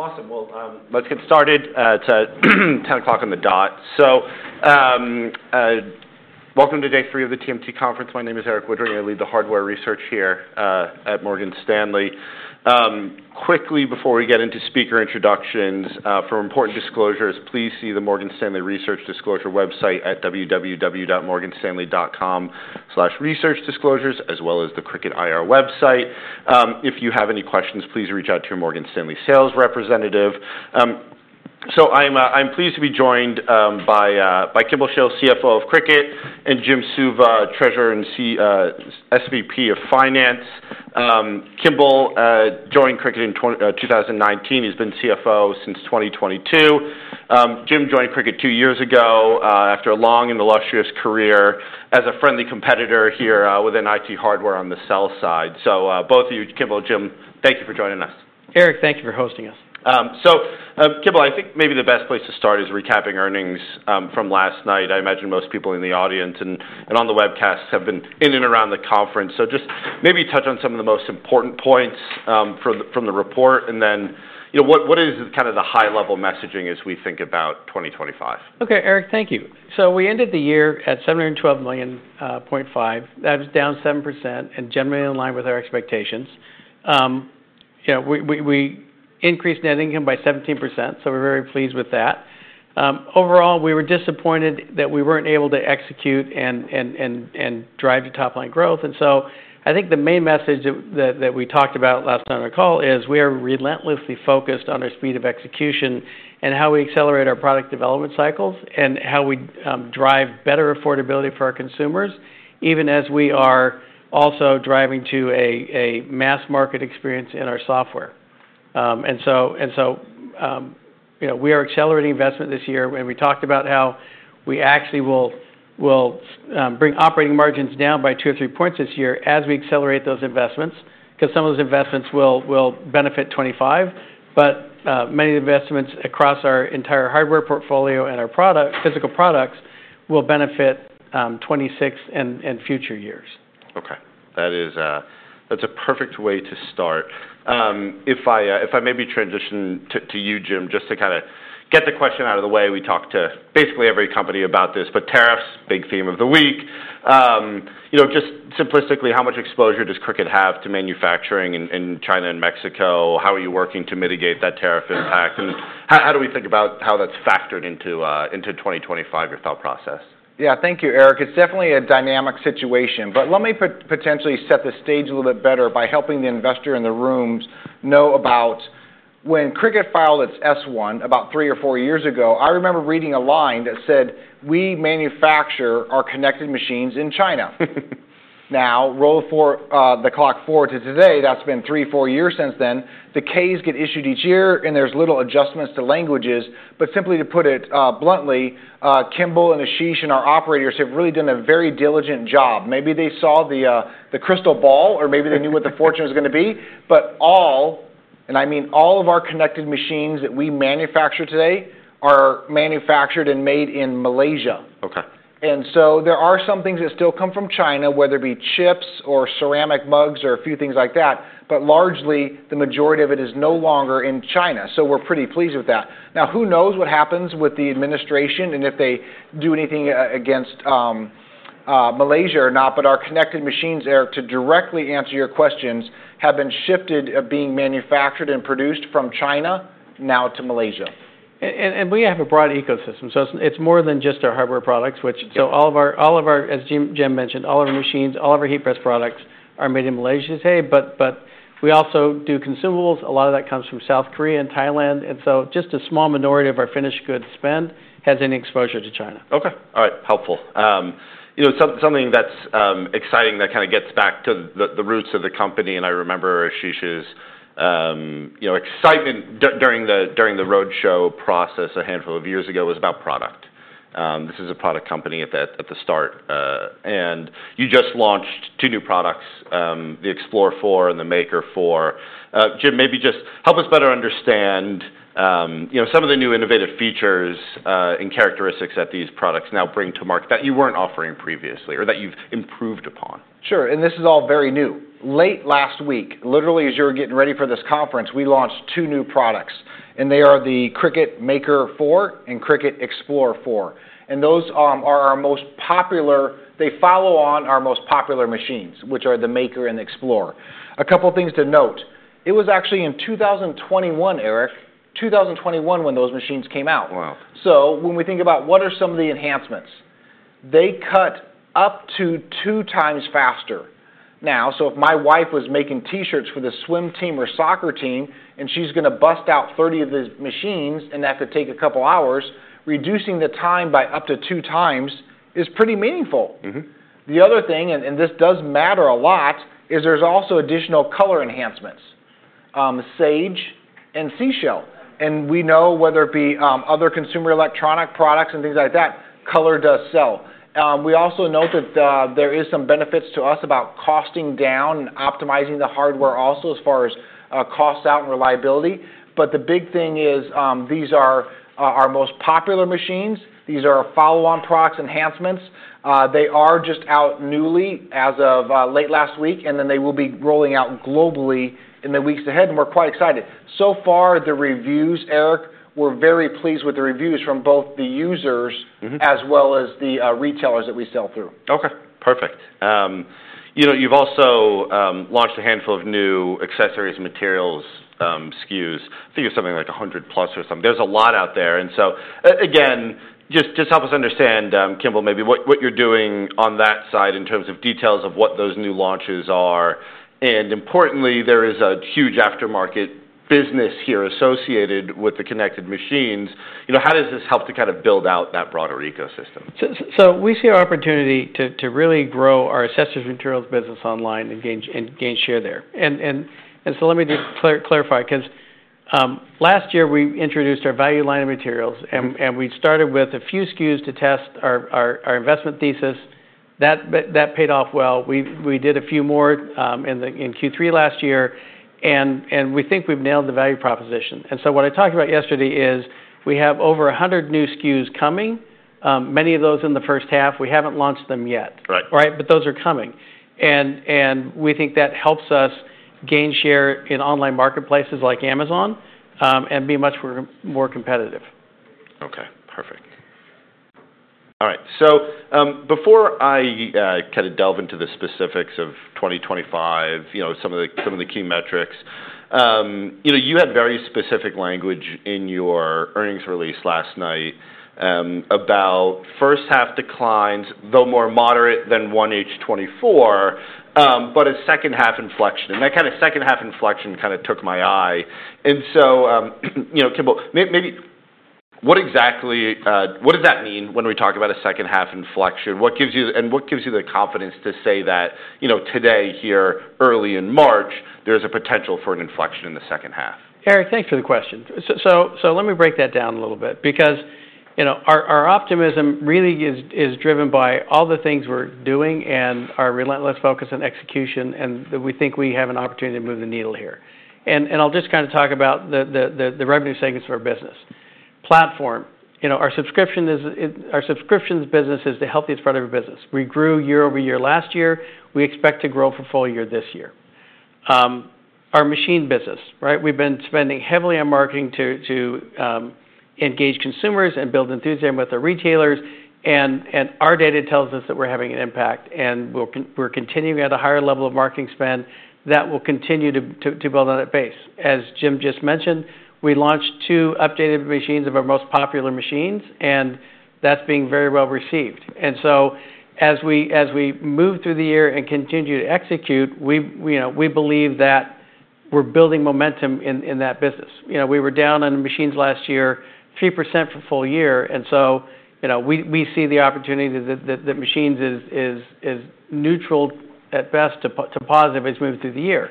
Awesome. Let's get started, at 10:00 on the dot. Welcome to day three of the TMT conference. My name is Eric Woodward, and I lead the hardware research here at Morgan Stanley. Quickly, before we get into speaker introductions, for important disclosures, please see the Morgan Stanley Research Disclosure website at www.morganstanley.com/researchdisclosures, as well as the Cricut IR website. If you have any questions, please reach out to your Morgan Stanley sales representative. I'm pleased to be joined by Kimball Shill, CFO of Cricut, and Jim Suva, Treasurer and SVP of Finance. Kimball joined Cricut in 2019. He's been CFO since 2022. Jim joined Cricut two years ago, after a long and illustrious career as a friendly competitor here within IT hardware on the sell side. Both of you, Kimball and Jim, thank you for joining us. Eric, thank you for hosting us. Kimball, I think maybe the best place to start is recapping earnings from last night. I imagine most people in the audience and, and on the webcast have been in and around the conference. Just maybe touch on some of the most important points from the report, and then, you know, what is kind of the high-level messaging as we think about 2025? Okay, Eric, thank you. We ended the year at $712.5 million. That was down 7% and generally in line with our expectations. You know, we increased net income by 17%, so we're very pleased with that. Overall, we were disappointed that we weren't able to execute and drive the top-line growth. I think the main message that we talked about last night on our call is we are relentlessly focused on our speed of execution and how we accelerate our product development cycles and how we drive better affordability for our consumers, even as we are also driving to a mass market experience in our software. And so, you know, we are accelerating investment this year, and we talked about how we actually will bring operating margins down by two or three percentage points this year as we accelerate those investments, because some of those investments will benefit 2025, but many investments across our entire hardware portfolio and our physical products will benefit 2026 and future years. Okay. That is, that's a perfect way to start. If I, if I maybe transition to, to you, Jim, just to kind of get the question out of the way. We talk to basically every company about this, but tariffs, big theme of the week. You know, just simplistically, how much exposure does Cricut have to manufacturing in, in China and Mexico? How are you working to mitigate that tariff impact? And how, how do we think about how that's factored into, into 2025, your thought process? Yeah, thank you, Eric. It's definitely a dynamic situation, but let me potentially set the stage a little bit better by helping the investor in the rooms know about when Cricut filed its S1 about three or four years ago, I remember reading a line that said, "We manufacture our connected machines in China." Now, roll the clock forward to today, that's been three, four years since then. The Ks get issued each year, and there's little adjustments to languages. Simply to put it bluntly, Kimball and Ashish and our operators have really done a very diligent job. Maybe they saw the crystal ball, or maybe they knew what the fortune was going to be, but all, and I mean all of our connected machines that we manufacture today are manufactured and made in Malaysia. Okay. There are some things that still come from China, whether it be chips or ceramic mugs or a few things like that, but largely the majority of it is no longer in China, so we're pretty pleased with that. Now, who knows what happens with the administration and if they do anything against Malaysia or not, but our connected machines, Eric, to directly answer your questions, have been shifted of being manufactured and produced from China now to Malaysia. We have a broad ecosystem, so it's more than just our hardware products, which, as Jim mentioned, all of our machines, all of our heat press products are made in Malaysia today, but we also do consumables. A lot of that comes from South Korea and Thailand, and so just a small minority of our finished goods spend has any exposure to China. Okay. All right. Helpful. You know, something that's exciting that kind of gets back to the roots of the company, and I remember Ashish's, you know, excitement during the, during the roadshow process a handful of years ago was about product. This is a product company at the start, and you just launched two new products, the Explore 4 and the Maker 4. Jim, maybe just help us better understand, you know, some of the new innovative features, and characteristics that these products now bring to market that you weren't offering previously or that you've improved upon. Sure. This is all very new. Late last week, literally as you were getting ready for this conference, we launched two new products, and they are the Cricut Maker 4 and Cricut Explore 4. Those are our most popular, they follow on our most popular machines, which are the Maker and the Explore. A couple of things to note, it was actually in 2021, Eric, 2021 when those machines came out. Wow. When we think about what are some of the enhancements, they cut up to two times faster. Now, if my wife was making t-shirts for the swim team or soccer team, and she's going to bust out 30 of the machines and that could take a couple of hours, reducing the time by up to two times is pretty meaningful. Mm-hmm. The other thing, and this does matter a lot, is there's also additional color enhancements, sage and seashell. We know whether it be other consumer electronic products and things like that, color does sell. We also note that there are some benefits to us about costing down and optimizing the hardware also as far as costs out and reliability. The big thing is, these are our most popular machines. These are follow-on products, enhancements. They are just out newly as of late last week, and they will be rolling out globally in the weeks ahead, and we're quite excited. So far, the reviews, Eric, we're very pleased with the reviews from both the users. Mm-hmm. As well as the retailers that we sell through. Okay. Perfect. You know, you've also launched a handful of new accessories and materials, SKUs. I think it was something like 100-plus or something. There's a lot out there. Just help us understand, Kimball, maybe what you're doing on that side in terms of details of what those new launches are. Importantly, there is a huge aftermarket business here associated with the connected machines. You know, how does this help to kind of build out that broader ecosystem? We see our opportunity to really grow our accessories and materials business online and gain share there. Let me just clarify, because last year we introduced our value line of materials, and we started with a few SKUs to test our investment thesis. That paid off well. We did a few more in Q3 last year, and we think we've nailed the value proposition. What I talked about yesterday is we have over 100 new SKUs coming, many of those in the first half. We haven't launched them yet. Right. Right? Those are coming, and we think that helps us gain share in online marketplaces like Amazon, and be much more competitive. Okay. Perfect. All right. Before I, kind of delve into the specifics of 2025, you know, some of the key metrics, you had very specific language in your earnings release last night, about first half declines, though more moderate than 1H24, but a second half inflection. That kind of second half inflection kind of took my eye. You know, Kimball, maybe what exactly, what does that mean when we talk about a second half inflection? What gives you, and what gives you the confidence to say that, you know, today here, early in March, there's a potential for an inflection in the second half? Eric, thanks for the question. Let me break that down a little bit, because, you know, our optimism really is driven by all the things we're doing and our relentless focus on execution, and that we think we have an opportunity to move the needle here. I'll just kind of talk about the revenue segments of our business. Platform, you know, our subscription is, our subscriptions business is the healthiest part of our business. We grew year over year last year. We expect to grow for full year this year. Our machine business, right? We've been spending heavily on marketing to engage consumers and build enthusiasm with our retailers. Our data tells us that we're having an impact, and we're continuing at a higher level of marketing spend that will continue to build on that base. As Jim just mentioned, we launched two updated machines of our most popular machines, and that's being very well received. As we move through the year and continue to execute, we, you know, we believe that we're building momentum in that business. You know, we were down on machines last year, 3% for full year. You know, we see the opportunity that machines is neutral at best to positive as we move through the year.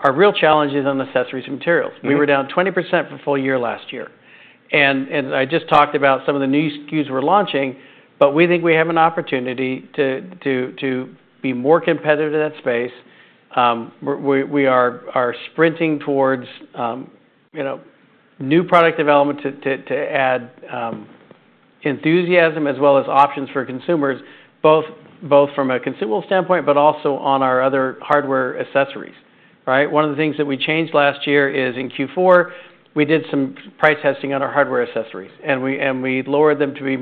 Our real challenge is on accessories and materials. We were down 20% for full year last year. I just talked about some of the new SKUs we're launching, but we think we have an opportunity to be more competitive in that space. We are sprinting towards new product development to add enthusiasm as well as options for consumers, both from a consumable standpoint, but also on our other hardware accessories, right? One of the things that we changed last year is in Q4, we did some price testing on our hardware accessories, and we lowered them to be,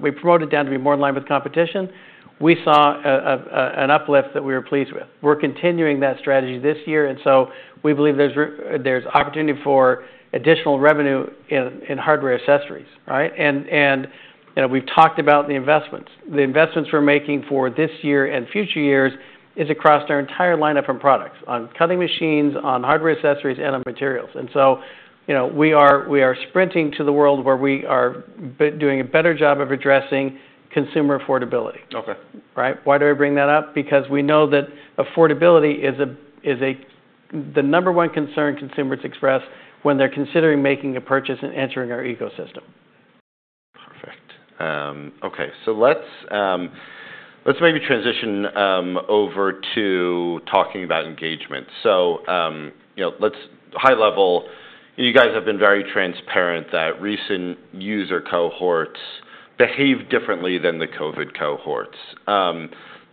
we promoted them to be more in line with competition. We saw an uplift that we were pleased with. We're continuing that strategy this year, and so we believe there's opportunity for additional revenue in hardware accessories, right? You know, we've talked about the investments. The investments we're making for this year and future years is across our entire lineup from products on cutting machines, on hardware accessories, and on materials. You know, we are sprinting to the world where we are doing a better job of addressing consumer affordability. Okay. Right? Why do I bring that up? Because we know that affordability is the number one concern consumers express when they're considering making a purchase and entering our ecosystem. Perfect. Okay. Let's maybe transition over to talking about engagement. You know, high level, you guys have been very transparent that recent user cohorts behave differently than the COVID cohorts.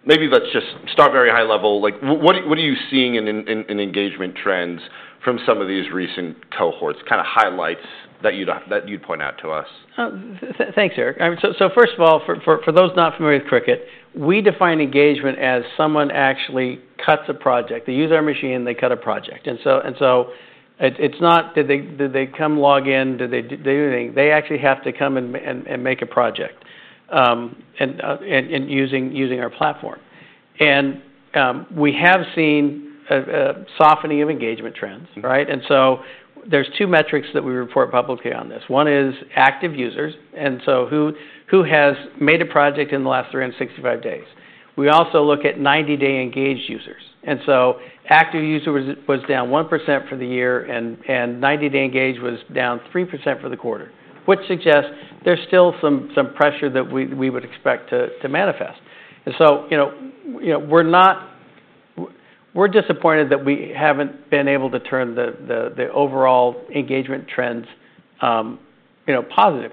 Maybe let's just start very high level. Like, what are you seeing in engagement trends from some of these recent cohorts? Kind of highlights that you'd point out to us. Thanks, Eric. I mean, so first of all, for those not familiar with Cricut, we define engagement as someone actually cuts a project. They use our machine, they cut a project. It's not that they come log in, that they do anything. They actually have to come and make a project, and using our platform. We have seen a softening of engagement trends, right? There are two metrics that we report publicly on this. One is active users, who has made a project in the last 365 days. We also look at 90-day engaged users. Active users was down 1% for the year, and 90-day engaged was down 3% for the quarter, which suggests there's still some pressure that we would expect to manifest. You know, we're disappointed that we haven't been able to turn the overall engagement trends positive.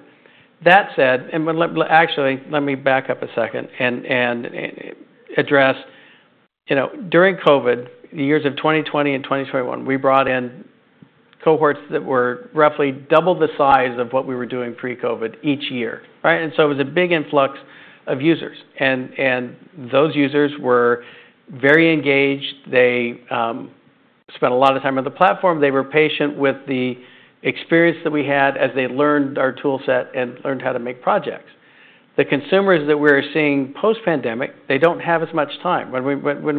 That said, let me actually back up a second and address, you know, during COVID, the years of 2020 and 2021, we brought in cohorts that were roughly double the size of what we were doing pre-COVID each year, right? It was a big influx of users, and those users were very engaged. They spent a lot of time on the platform. They were patient with the experience that we had as they learned our toolset and learned how to make projects. The consumers that we're seeing post-pandemic, they don't have as much time. When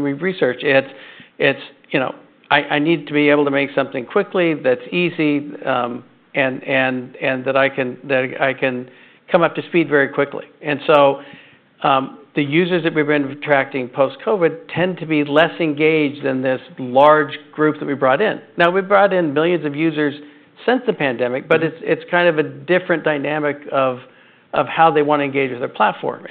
we research, it's, it's, you know, I need to be able to make something quickly that's easy, and that I can come up to speed very quickly. The users that we've been attracting post-COVID tend to be less engaged than this large group that we brought in. Now, we've brought in millions of users since the pandemic, but it's kind of a different dynamic of how they want to engage with our platform.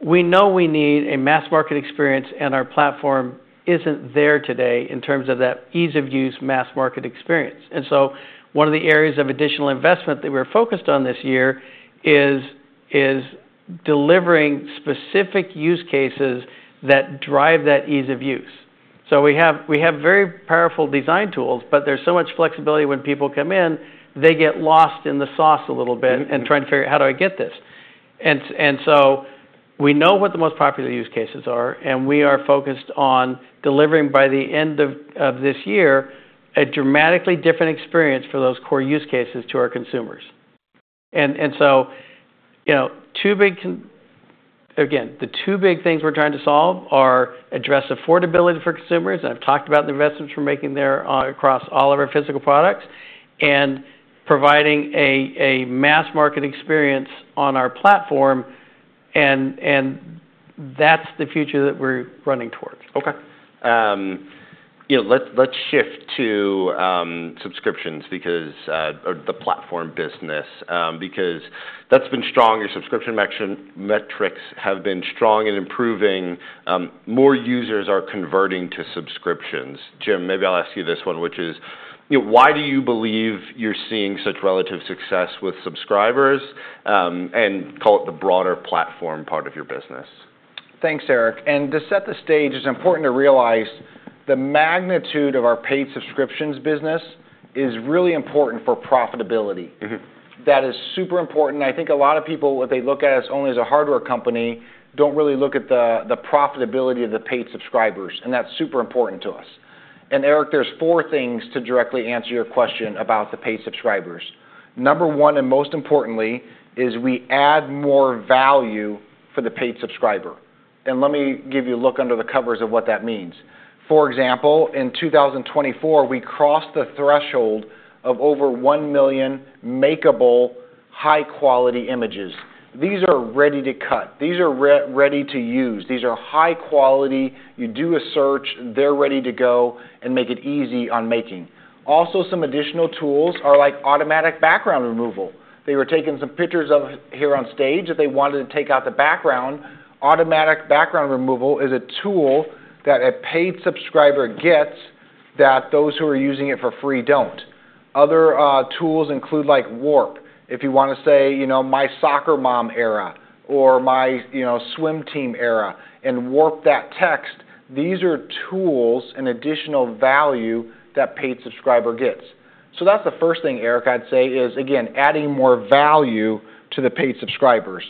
We know we need a mass market experience, and our platform isn't there today in terms of that ease of use mass market experience. One of the areas of additional investment that we're focused on this year is delivering specific use cases that drive that ease of use. We have very powerful design tools, but there's so much flexibility when people come in, they get lost in the sauce a little bit and trying to figure out how do I get this. We know what the most popular use cases are, and we are focused on delivering by the end of this year a dramatically different experience for those core use cases to our consumers. You know, the two big things we're trying to solve are address affordability for consumers, and I've talked about the investments we're making there. Across all of our physical products and providing a mass market experience on our platform, and that's the future that we're running towards. Okay. You know, let's shift to subscriptions because, or the platform business, because that's been strong. Your subscription metrics have been strong and improving. More users are converting to subscriptions. Jim, maybe I'll ask you this one, which is, you know, why do you believe you're seeing such relative success with subscribers, and call it the broader platform part of your business? Thanks, Eric. To set the stage, it's important to realize the magnitude of our paid subscriptions business is really important for profitability. Mm-hmm. That is super important. I think a lot of people, if they look at us only as a hardware company, do not really look at the profitability of the paid subscribers, and that is super important to us. Eric, there are four things to directly answer your question about the paid subscribers. Number one, and most importantly, is we add more value for the paid subscriber. Let me give you a look under the covers of what that means. For example, in 2024, we crossed the threshold of over 1 million makeable high-quality images. These are ready to cut. These are ready to use. These are high quality. You do a search, they are ready to go and make it easy on making. Also, some additional tools are like automatic background removal. They were taking some pictures of here on stage that they wanted to take out the background. Automatic background removal is a tool that a paid subscriber gets that those who are using it for free don't. Other tools include like Warp, if you want to say, you know, my soccer mom era or my, you know, swim team era and Warp that text. These are tools and additional value that paid subscriber gets. That's the first thing, Eric, I'd say is, again, adding more value to the paid subscribers.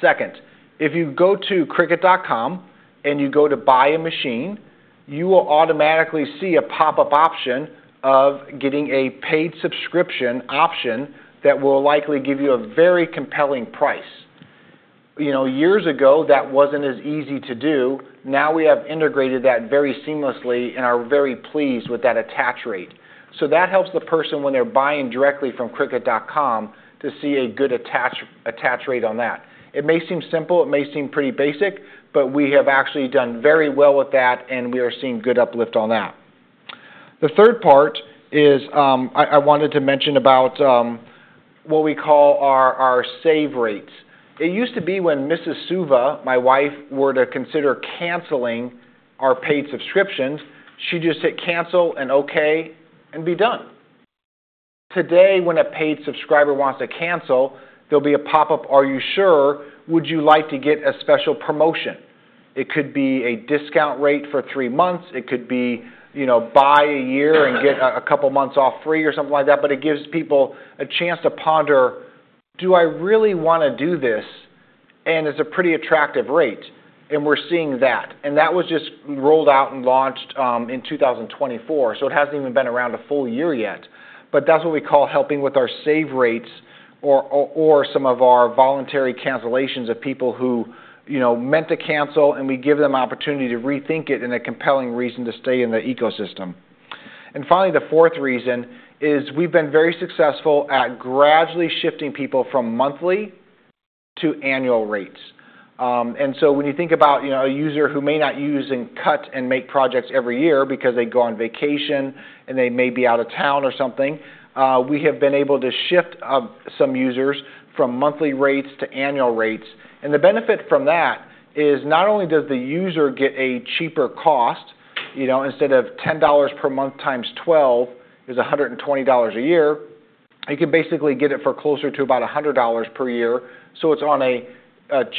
Second, if you go to cricut.com and you go to buy a machine, you will automatically see a pop-up option of getting a paid subscription option that will likely give you a very compelling price. You know, years ago that wasn't as easy to do. Now we have integrated that very seamlessly and are very pleased with that attach rate. That helps the person when they're buying directly from cricut.com to see a good attach rate on that. It may seem simple, it may seem pretty basic, but we have actually done very well with that and we are seeing good uplift on that. The third part is, I wanted to mention about what we call our save rates. It used to be when Mrs. Suva, my wife, were to consider canceling our paid subscriptions, she just hit cancel and okay and be done. Today, when a paid subscriber wants to cancel, there'll be a pop-up, are you sure? Would you like to get a special promotion? It could be a discount rate for three months. It could be, you know, buy a year and get a couple months off free or something like that. It gives people a chance to ponder, do I really want to do this? It's a pretty attractive rate. We're seeing that. That was just rolled out and launched in 2024, so it hasn't even been around a full year yet. That's what we call helping with our save rates or some of our voluntary cancellations of people who, you know, meant to cancel and we give them opportunity to rethink it and a compelling reason to stay in the ecosystem. Finally, the fourth reason is we've been very successful at gradually shifting people from monthly to annual rates. And so when you think about, you know, a user who may not use and cut and make projects every year because they go on vacation and they may be out of town or something, we have been able to shift some users from monthly rates to annual rates. The benefit from that is not only does the user get a cheaper cost, you know, instead of $10 per month times 12 is $120 a year, you can basically get it for closer to about $100 per year. It is on a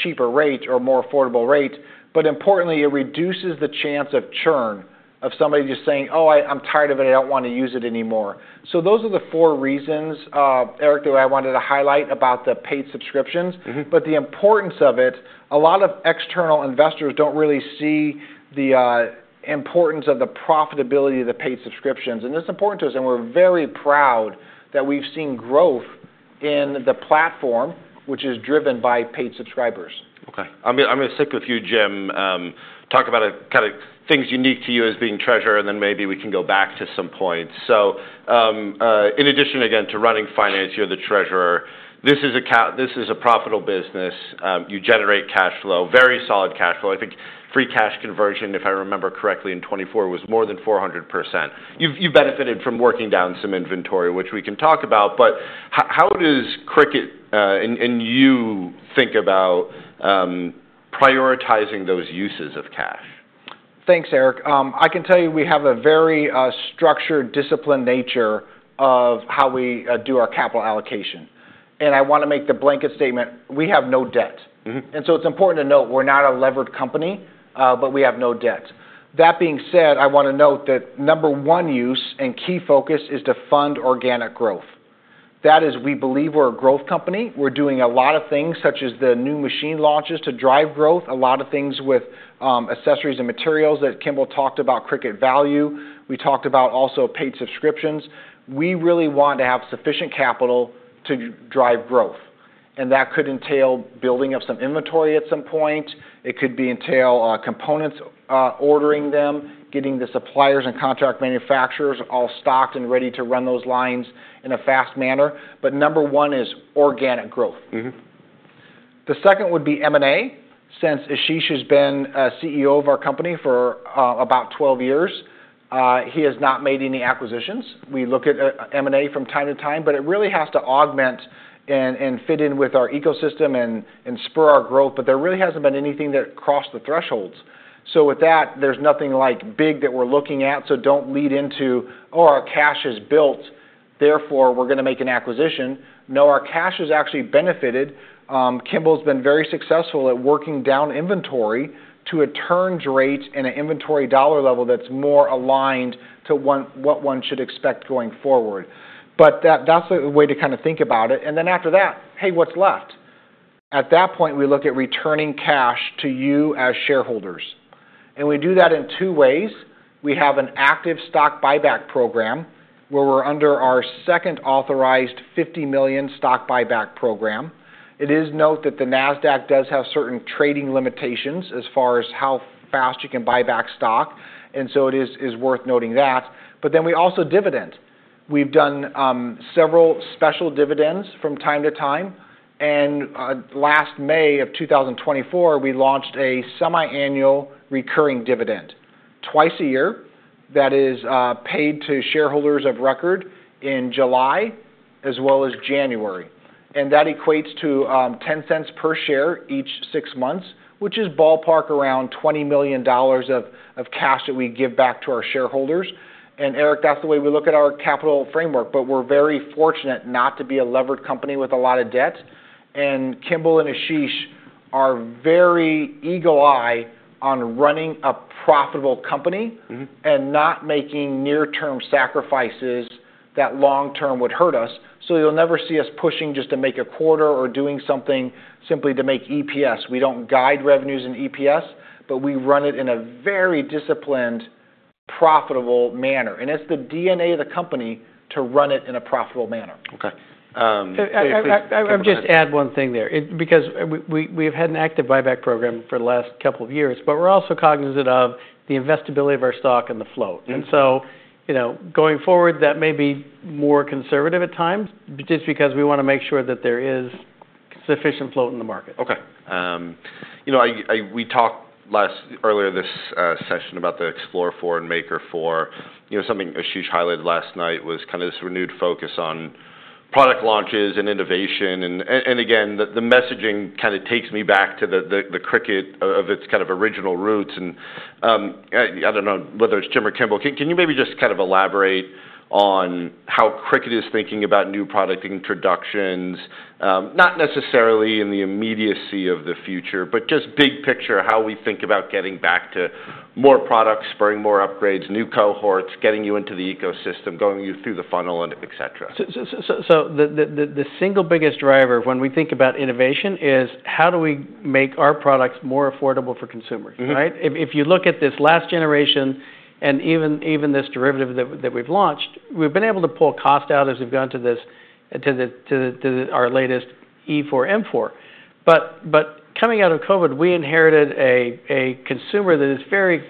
cheaper rate or more affordable rate. Importantly, it reduces the chance of churn of somebody just saying, oh, I, I'm tired of it. I don't want to use it anymore. Those are the four reasons, Eric, that I wanted to highlight about the paid subscriptions. The importance of it, a lot of external investors do not really see the importance of the profitability of the paid subscriptions. It is important to us, and we are very proud that we have seen growth in the platform, which is driven by paid subscribers. Okay. I'm gonna stick with you, Jim, talk about kind of things unique to you as being Treasurer, and then maybe we can go back to some points. In addition, again, to running finance, you're the Treasurer. This is a, this is a profitable business. You generate cash flow, very solid cash flow. I think free cash conversion, if I remember correctly, in 2024 was more than 400%. You've benefited from working down some inventory, which we can talk about. How does Cricut, and you, think about prioritizing those uses of cash? Thanks, Eric. I can tell you we have a very structured, disciplined nature of how we do our capital allocation. I want to make the blanket statement, we have no debt. Mm-hmm. It's important to note we're not a levered company, but we have no debt. That being said, I want to note that number one use and key focus is to fund organic growth. That is, we believe we're a growth company. We're doing a lot of things such as the new machine launches to drive growth, a lot of things with accessories and materials that Kimball talked about, Cricut Value. We talked about also paid subscriptions. We really want to have sufficient capital to drive growth. That could entail building up some inventory at some point. It could entail components, ordering them, getting the suppliers and contract manufacturers all stocked and ready to run those lines in a fast manner. Number one is organic growth. Mm-hmm. The second would be M&A. Since Ashish has been a CEO of our company for about 12 years, he has not made any acquisitions. We look at M&A from time to time, but it really has to augment and fit in with our ecosystem and spur our growth. There really hasn't been anything that crossed the thresholds. With that, there's nothing like big that we're looking at. Don't lead into, oh, our cash is built, therefore we're gonna make an acquisition. No, our cash has actually benefited. Kimball's been very successful at working down inventory to a turns rate and an inventory dollar level that's more aligned to what one should expect going forward. That's the way to kind of think about it. After that, hey, what's left? At that point, we look at returning cash to you as shareholders. We do that in two ways. We have an active stock buyback program where we're under our second authorized $50 million stock buyback program. It is worth noting that the NASDAQ does have certain trading limitations as far as how fast you can buy back stock. It is worth noting that. We also dividend. We've done several special dividends from time to time. Last May of 2024, we launched a semi-annual recurring dividend twice a year that is paid to shareholders of record in July as well as January. That equates to $0.10 per share each six months, which is ballpark around $20 million of cash that we give back to our shareholders. Eric, that's the way we look at our capital framework, but we're very fortunate not to be a levered company with a lot of debt. Kimball and Ashish are very eagle eye on running a profitable company and not making near-term sacrifices that long-term would hurt us. You will never see us pushing just to make a quarter or doing something simply to make EPS. We do not guide revenues in EPS, but we run it in a very disciplined, profitable manner. It is the DNA of the company to run it in a profitable manner. Okay. If I could just add one thing there, because we, we've had an active buyback program for the last couple of years, but we're also cognizant of the investability of our stock and the float. You know, going forward, that may be more conservative at times just because we want to make sure that there is sufficient float in the market. You know, I, I, we talked last earlier this session about the Explore 4 and Maker 4. You know, something Ashish highlighted last night was kind of this renewed focus on product launches and innovation. The messaging kind of takes me back to the Cricut of its kind of original roots. I don't know whether it's Jim or Kimball, can you maybe just kind of elaborate on how Cricut is thinking about new product introductions, not necessarily in the immediacy of the future, but just big picture, how we think about getting back to more products, spurring more upgrades, new cohorts, getting you into the ecosystem, going you through the funnel, and et cetera. The single biggest driver when we think about innovation is how do we make our products more affordable for consumers, right? If you look at this last generation and even this derivative that we've launched, we've been able to pull cost out as we've gone to our latest E4, M4. Coming out of COVID, we inherited a consumer that is very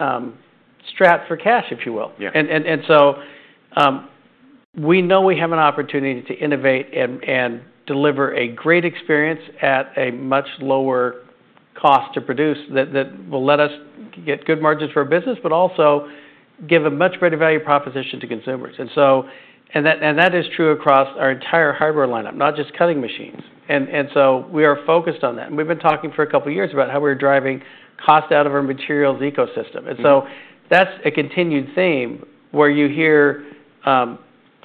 strat for cash, if you will. Yeah. We know we have an opportunity to innovate and deliver a great experience at a much lower cost to produce that, that will let us get good margins for our business, but also give a much greater value proposition to consumers. That is true across our entire hardware lineup, not just cutting machines. We are focused on that. We have been talking for a couple of years about how we are driving cost out of our materials ecosystem. That is a continued theme where you hear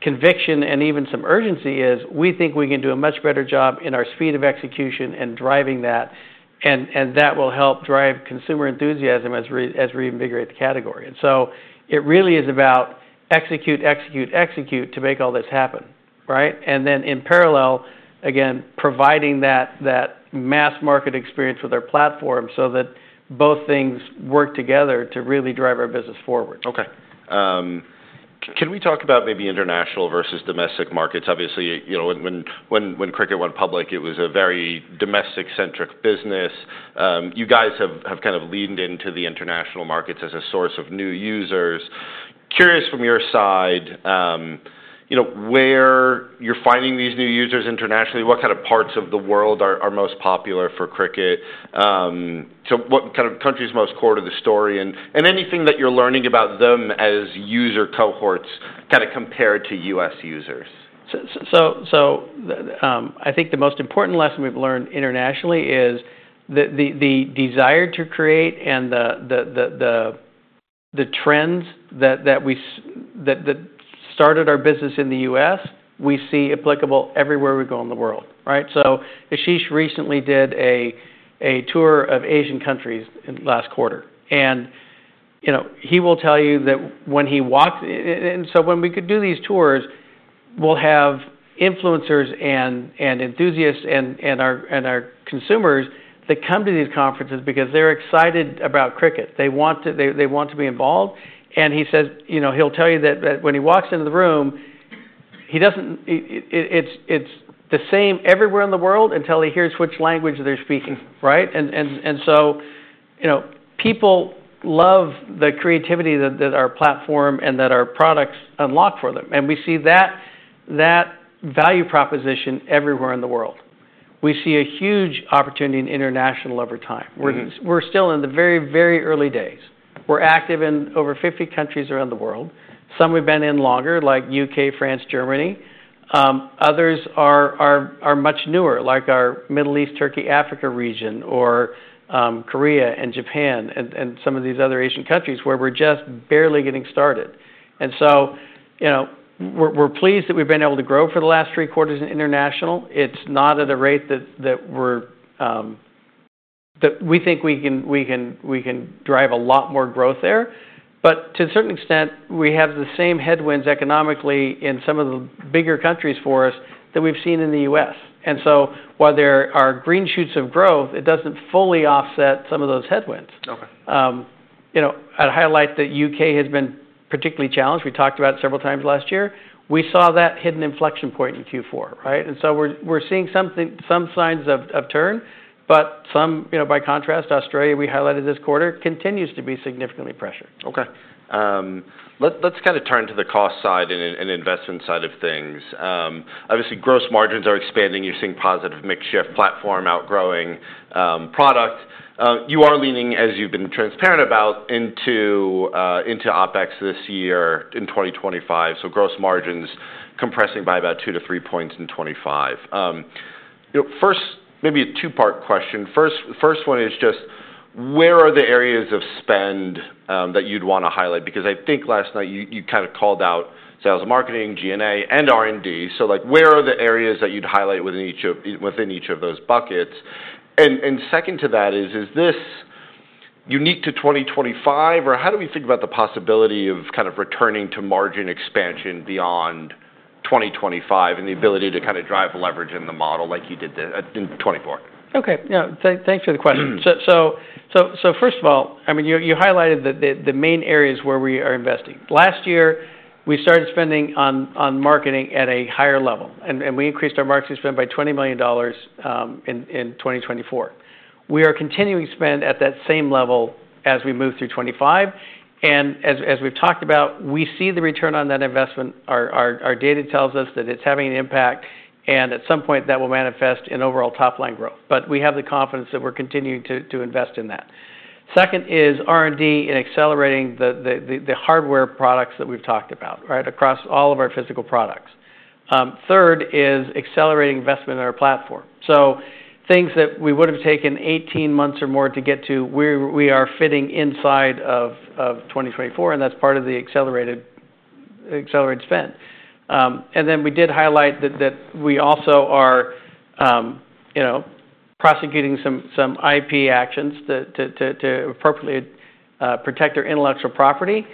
conviction and even some urgency, as we think we can do a much better job in our speed of execution and driving that. That will help drive consumer enthusiasm as we invigorate the category. It really is about execute, execute, execute to make all this happen, right? In parallel, again, providing that mass market experience with our platform so that both things work together to really drive our business forward. Okay. Can we talk about maybe international versus domestic markets? Obviously, you know, when Cricut went public, it was a very domestic-centric business. You guys have kind of leaned into the international markets as a source of new users. Curious from your side, you know, where you're finding these new users internationally, what kind of parts of the world are most popular for Cricut? What kind of countries are most core to the story and anything that you're learning about them as user cohorts kind of compared to U.S. users? I think the most important lesson we've learned internationally is the desire to create and the trends that we, that started our business in the U.S., we see applicable everywhere we go in the world, right? Ashish recently did a tour of Asian countries last quarter. You know, he will tell you that when he walks, and when we could do these tours, we'll have influencers and enthusiasts and our consumers that come to these conferences because they're excited about Cricut. They want to, they want to be involved. He says, you know, he'll tell you that when he walks into the room, it's the same everywhere in the world until he hears which language they're speaking, right? People love the creativity that our platform and our products unlock for them. We see that value proposition everywhere in the world. We see a huge opportunity in international over time. We're still in the very, very early days. We're active in over 50 countries around the world. Some have been in longer, like the U.K., France, Germany. Others are much newer, like our Middle East, Turkey, Africa region, or Korea and Japan and some of these other Asian countries where we're just barely getting started. We're pleased that we've been able to grow for the last three quarters in international. It's not at a rate that we think we can drive a lot more growth there. To a certain extent, we have the same headwinds economically in some of the bigger countries for us that we've seen in the U.S. and while there are green shoots of growth, it doesn't fully offset some of those headwinds. Okay. You know, I highlight that U.K. has been particularly challenged. We talked about it several times last year. We saw that hidden inflection point in Q4, right? We're seeing something, some signs of turn, but some, you know, by contrast, Australia, we highlighted this quarter, continues to be significantly pressured. Okay. Let's kind of turn to the cost side and investment side of things. Obviously gross margins are expanding. You're seeing positive mixture. Platform outgrowing product. You are leaning, as you've been transparent about, into OPEX this year and 2025. Gross margins compressing by about two to three points in 2025. You know, first, maybe a two-part question. First, first one is just where are the areas of spend that you'd want to highlight? Because I think last night you kind of called out sales and marketing, G&A and R&D. Like where are the areas that you'd highlight within each of those buckets? Second to that, is this unique to 2025, or how do we think about the possibility of kind of returning to margin expansion beyond 2025 and the ability to kind of drive leverage in the model like you did in 2024? Okay. Yeah. Thanks for the question. First of all, I mean, you highlighted that the main areas where we are investing. Last year, we started spending on marketing at a higher level and we increased our marketing spend by $20 million in 2024. We are continuing spend at that same level as we move through 2025. As we've talked about, we see the return on that investment. Our data tells us that it's having an impact and at some point that will manifest in overall top-line growth. We have the confidence that we're continuing to invest in that. Second is R&D and accelerating the hardware products that we've talked about, right, across all of our physical products. Third is accelerating investment in our platform. Things that we would've taken 18 months or more to get to, we are fitting inside of 2024 and that's part of the accelerated spend. We did highlight that we also are, you know, prosecuting some IP actions to appropriately protect our intellectual property.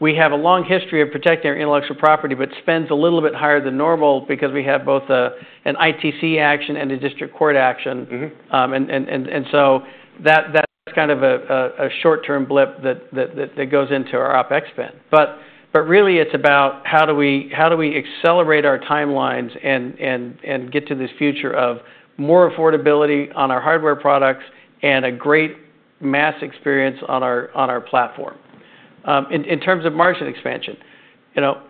We have a long history of protecting our intellectual property, but spend is a little bit higher than normal because we have both an ITC action and a district court action. That is kind of a short-term blip that goes into our OPEX spend. Really, it's about how do we accelerate our timelines and get to this future of more affordability on our hardware products and a great mass experience on our platform. In terms of margin expansion, you know,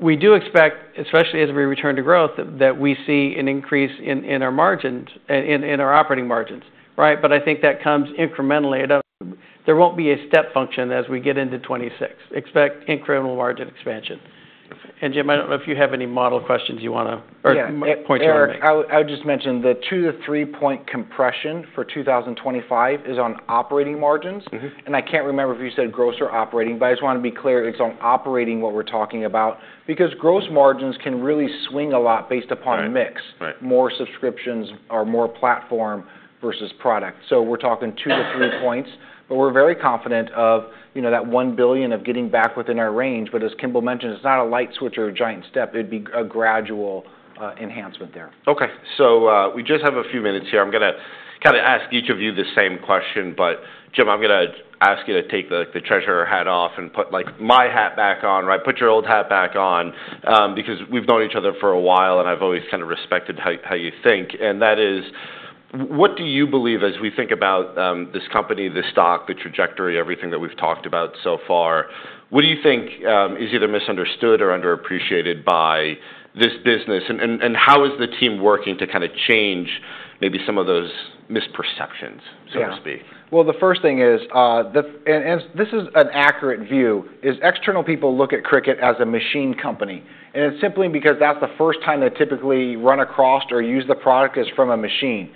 we do expect, especially as we return to growth, that we see an increase in our margins and in our operating margins, right? I think that comes incrementally. There will not be a step function as we get into 2026. Expect incremental margin expansion. Jim, I do not know if you have any model questions you want to or point your arm. Yeah. I would just mention the two to three point compression for 2025 is on operating margins. I can't remember if you said gross or operating, but I just want to be clear, it's on operating what we're talking about because gross margins can really swing a lot based upon mix, more subscriptions or more platform versus product. We're talking two to three points, but we're very confident of, you know, that $1 billion of getting back within our range. As Kimball mentioned, it's not a light switch or a giant step. It'd be a gradual enhancement there. Okay. We just have a few minutes here. I'm going to kind of ask each of you the same question, but Jim, I'm going to ask you to take the treasurer hat off and put like my hat back on, right? Put your old hat back on, because we've known each other for a while and I've always kind of respected how you think. That is, what do you believe as we think about this company, the stock, the trajectory, everything that we've talked about so far, what do you think is either misunderstood or underappreciated by this business? How is the team working to kind of change maybe some of those misperceptions, so to speak? Yeah. The first thing is, and this is an accurate view, is external people look at Cricut as a machine company. It's simply because that's the first time they typically run across or use the product as from a machine.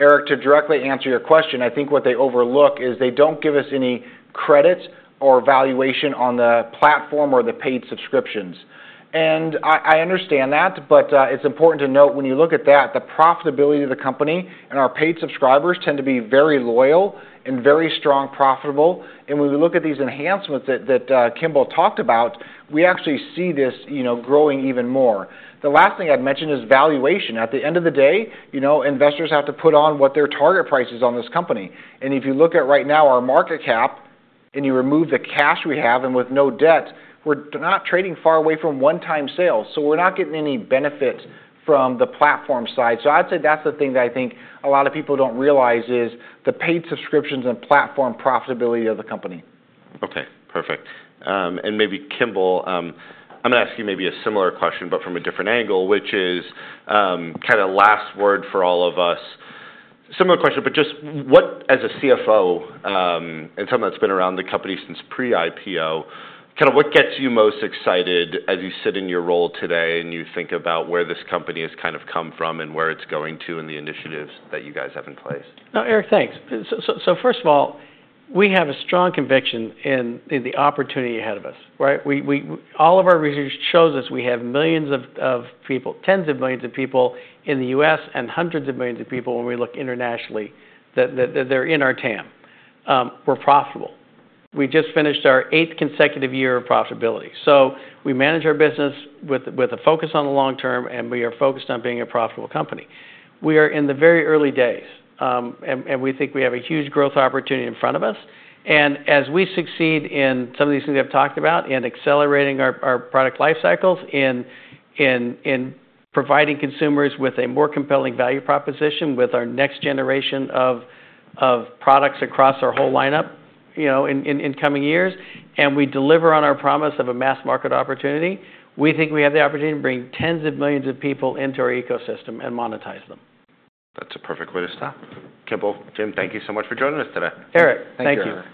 Eric, to directly answer your question, I think what they overlook is they don't give us any credits or valuation on the platform or the paid subscriptions. I understand that, but it's important to note when you look at that, the profitability of the company and our paid subscribers tend to be very loyal and very strong profitable. When we look at these enhancements that Kimball talked about, we actually see this, you know, growing even more. The last thing I'd mention is valuation. At the end of the day, you know, investors have to put on what their target price is on this company. If you look at right now our market cap and you remove the cash we have and with no debt, we're not trading far away from one-time sales. We're not getting any benefit from the platform side. I'd say that's the thing that I think a lot of people don't realize is the paid subscriptions and platform profitability of the company. Okay. Perfect. Maybe, Kimball, I'm going to ask you maybe a similar question, but from a different angle, which is kind of last word for all of us. Similar question, but just what, as a CFO and someone that's been around the company since pre-IPO, kind of what gets you most excited as you sit in your role today and you think about where this company has kind of come from and where it's going to and the initiatives that you guys have in place? No, Eric, thanks. First of all, we have a strong conviction in the opportunity ahead of us, right? All of our research shows us we have millions of people, tens of millions of people in the U.S. and hundreds of millions of people when we look internationally that are in our TAM. We're profitable. We just finished our eighth consecutive year of profitability. We manage our business with a focus on the long term and we are focused on being a profitable company. We are in the very early days, and we think we have a huge growth opportunity in front of us. As we succeed in some of these things I have talked about and accelerating our product life cycles in providing consumers with a more compelling value proposition with our next generation of products across our whole lineup, you know, in coming years. We deliver on our promise of a mass market opportunity. We think we have the opportunity to bring tens of millions of people into our ecosystem and monetize them. That's a perfect way to stop. Kimball, Jim, thank you so much for joining us today. Eric, thank you.